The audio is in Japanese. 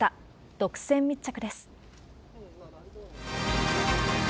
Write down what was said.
独占密着です。